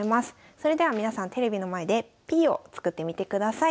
それでは皆さんテレビの前でＰを作ってみてください。